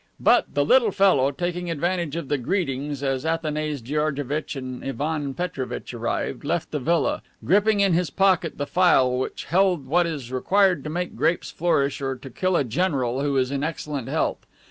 But "the little fellow," taking advantage of the greetings as Athanase Georgevitch and Ivan Petrovitch arrived, left the villa, gripping in his pocket the phial which held what is required to make grapes flourish or to kill a general who is in excellent health.